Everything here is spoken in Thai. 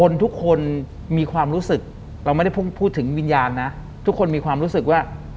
หลังจากนั้นเราไม่ได้คุยกันนะคะเดินเข้าบ้านอืม